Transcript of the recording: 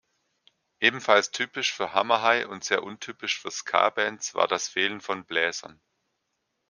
Ebenfalls typisch für Hammerhai und sehr untypisch für Ska-Bands war das Fehlen von Bläsern.